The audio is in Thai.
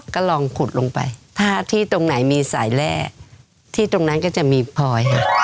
ก็ลองขุดลงไปถ้าที่ตรงไหนมีสายแร่ที่ตรงนั้นก็จะมีพลอยค่ะ